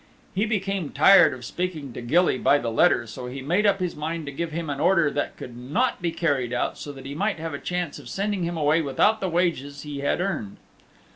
He became tired of speaking to Gilly by the letter, so he made up his mind to give him an order that could not be carried out, so that he might have a chance of sending him away without the wages he had earned.